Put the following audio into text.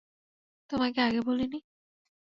তোমাকে আগে বলিনি?